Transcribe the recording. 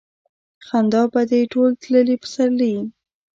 خندا به دې ټول تللي پسرلي